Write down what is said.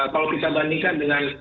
kalau kita bandingkan dengan